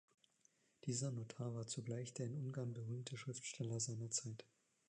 Dieser Notar war zugleich der in Ungarn berühmte Schriftsteller seiner Zeit.